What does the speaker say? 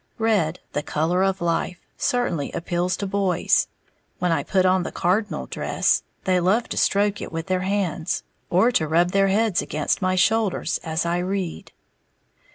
Red, the color of life, certainly appeals to boys; when I put on the cardinal dress, they love to stroke it with their hands, or to rub their heads against my shoulders as I read.